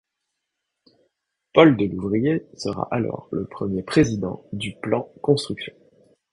Paul Delouvrier sera alors le premier président du Plan Construction.